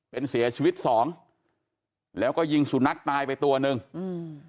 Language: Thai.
เป็นเสียชีวิตสองแล้วก็ยิงสุนัขตายไปตัวหนึ่งอืม